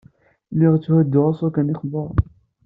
Lliɣ tthudduɣ aṣuken iqburen.